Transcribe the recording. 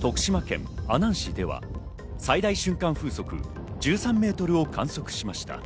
徳島県阿南市では最大瞬間風速１３メートルを観測しました。